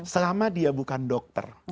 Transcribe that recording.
selama dia bukan dokter